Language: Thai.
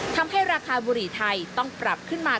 ทำให้ราคาบุหรี่ไทยต้องปรับขึ้นมา